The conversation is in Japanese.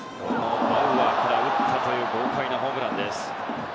バウアーから打った豪快なホームランです。